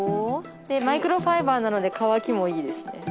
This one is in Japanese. マイクロファイバーなので乾きもいいですね。